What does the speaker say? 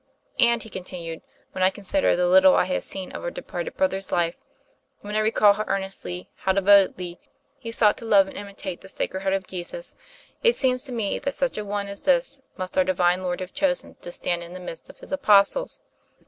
" And," he continued, " when I consider the little I have seen of our departed brother's life, when I recall how earnestly, how devoutly, he sought to love and imitate the Sacred Heart of Jesus, it seems to me that such a one as this must our Divine Lord have chosen to stand in the midst of His apostles."